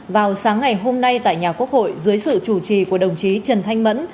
vào sáng ngày hôm nay tại nhà quốc hội dưới sự chủ trì của đồng chí trần thanh mẫn